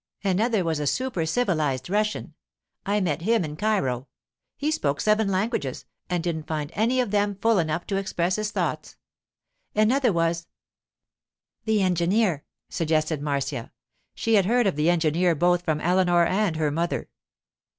Another was a super civilized Russian. I met him in Cairo. He spoke seven languages, and didn't find any of them full enough to express his thoughts. Another was——' 'The engineer,' suggested Marcia. She had heard of the engineer both from Eleanor and her mother.